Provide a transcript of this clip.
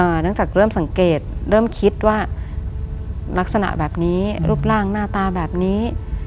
เนื่องจากเริ่มสังเกตเริ่มคิดว่าลักษณะแบบนี้รูปร่างหน้าตาแบบนี้